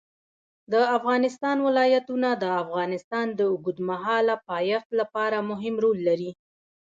د افغانستان ولايتونه د افغانستان د اوږدمهاله پایښت لپاره مهم رول لري.